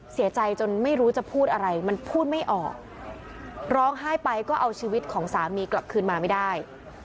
เสียใจจนไม่รู้จะพูดอะไรมันพูดไม่ออกร้องไห้ไปก็เอาชีวิตของสามีกลับคืนมาไม่ได้